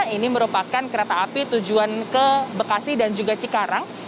ini merupakan kereta api tujuan ke bekasi dan juga cikarang